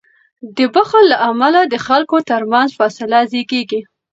د بخل له امله د خلکو تر منځ فاصله زیږیږي.